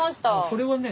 それはね